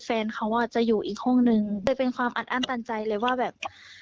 แฟนเขาอ่ะจะอยู่อีกห้องนึงเลยเป็นความอัดอั้นตันใจเลยว่าแบบ